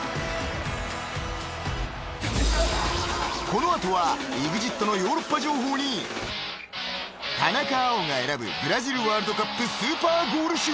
［この後はＥＸＩＴのヨーロッパ情報に田中碧が選ぶブラジルワールドカップスーパーゴール集！］